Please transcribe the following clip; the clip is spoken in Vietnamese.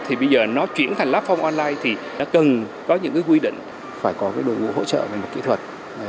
thì bây giờ nó chuyển thành lab phong online thì nó cần có những quy định phải có đội ngũ hỗ trợ và kỹ thuật